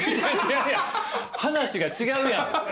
話が違うやん。